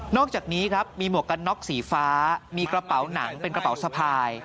อกจากนี้ครับมีหมวกกันน็อกสีฟ้ามีกระเป๋าหนังเป็นกระเป๋าสะพาย